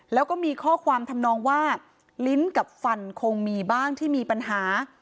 แล้วก็มีข้อความทำนองว่าลิ้นกับฟันคงมีบ้างที่มีปัญหา